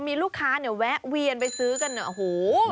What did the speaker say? มีลูกค้าเนี่ยแวะเวียนไปซื้อกันเนี่ยโอ้โห